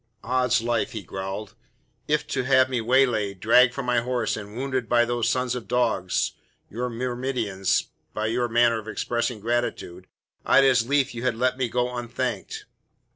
"Oddslife," he growled, "if to have me waylaid, dragged from my horse and wounded by those sons of dogs, your myrmidons, be your manner of expressing gratitude, I'd as lief you had let me go unthanked."